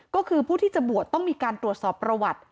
ก็คือผู้ที่จะบวชต้องมีการตรวจสอบประวัติ